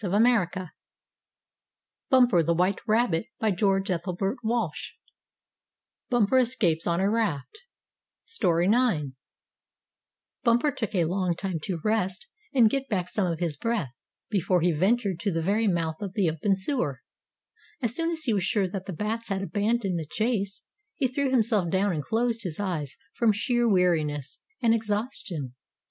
[Illustration: They tried to land on his back and claw him] STORY IX BUMPER ESCAPES ON A RAFT Bumper took a long time to rest and get back some of his breath before he ventured to the very mouth of the open sewer. As soon as he was sure that the bats had abandoned the chase, he threw himself down and closed his eyes from sheer weariness and exhaustion.